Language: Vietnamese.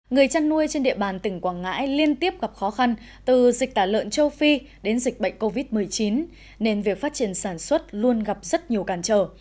người chăn nuôi trên địa bàn tỉnh quảng ngãi liên tiếp gặp khó khăn từ dịch tả lợn châu phi đến dịch bệnh covid một mươi chín nên việc phát triển sản xuất luôn gặp rất nhiều càn trở